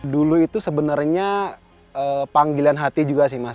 dulu itu sebenarnya panggilan hati juga sih mas